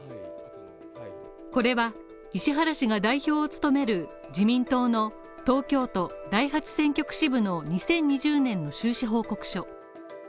これは、石原氏が代表を務める自民党の東京都第８選挙区支部の２０２０年の収支報告書